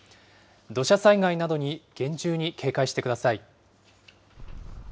土砂災害などに厳重に警戒してください。